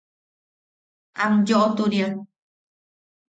Am yoʼoturia.